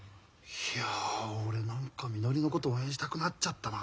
いや俺何かみのりのこと応援したくなっちゃったな。